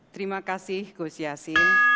terima kasih kusiasi